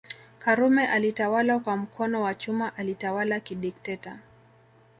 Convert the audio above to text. Karume alitawala kwa mkono wa chuma alitawala kidikteta